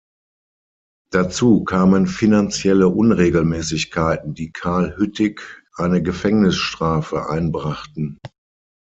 Dazu kamen finanzielle Unregelmäßigkeiten, die Carl Hüttig eine Gefängnisstrafe einbrachten.